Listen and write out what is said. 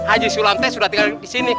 ajay sulam teh sudah tinggal di sini